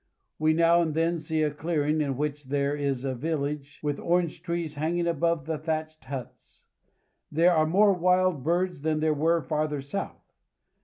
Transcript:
We now and then see a clearing in which there is a village with orange trees hanging above the thatched huts. There are more wild birds than there were farther south.